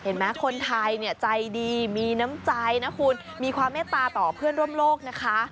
เห็นไหมคนไทยเนี่ยใจดีมีน้ำใจนะคุณมีความเมตตาต่อเพื่อนร่วมโลกนะคะ